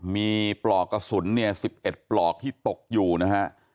มีปลอกกระสุนเนี่ย๑๑ปลอกที่ตกอยู่นะฮะ